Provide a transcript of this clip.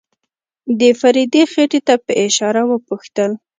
د فريدې خېټې ته په اشاره وپوښتل.